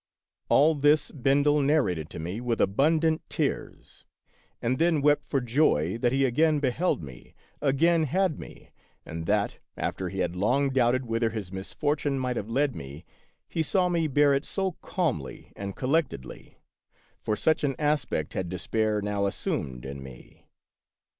All this Bendel narrated to me with abundant tears, and then wept for joy that he again beheld me, again had me, and that, after he had long doubted whither his misfortune might have led me, he saw me bear it so calmly and collectedly ; for such an aspect had despair now assumed in me.